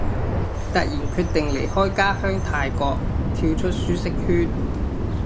突然決定離開家鄉泰國，跳出舒適圈